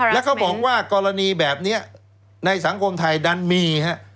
แล้วเขาบอกว่ากรณีแบบนี้ในสังคมไทยดันมีฮะ